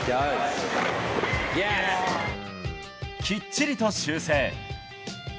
きっちりと修正！